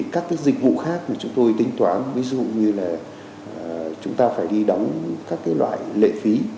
các dịch vụ khác mà chúng tôi tính toán ví dụ như là chúng ta phải đi đóng các loại lệ phí